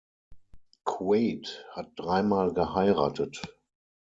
Quaid hat dreimal geheiratet.